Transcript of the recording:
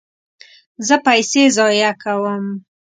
زه پیسې ضایع کوم